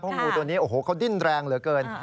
งูตัวนี้โอ้โหเขาดิ้นแรงเหลือเกิน